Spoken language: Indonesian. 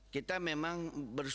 kita memang mencoba arif